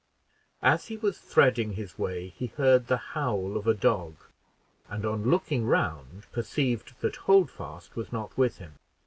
As he was threading his way, he heard the howl of a dog, and on looking round, perceived that Holdfast was not with him.